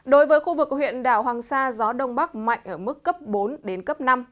đối với khu vực huyện đảo hoàng sa gió đông bắc mạnh ở mức cấp bốn đến cấp năm